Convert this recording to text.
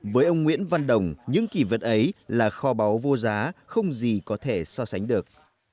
với ông nguyễn văn đồng những kỳ vật ấy là kho báu vô giá không gì có thể so sánh được